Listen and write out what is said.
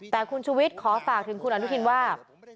แต่คุณชุวิตขอฝากถึงคุณอนุทินว่า